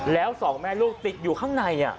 แล้วสองแม่ลูกติดอยู่ข้างใน